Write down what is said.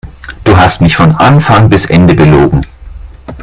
Du hast mich von Anfang bis Ende belogen.